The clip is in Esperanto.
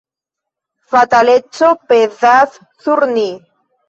Fataleco pezas sur ni.